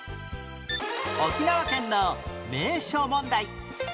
沖縄県の名所問題